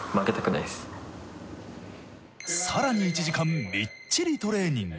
さらに１時間みっちりトレーニング。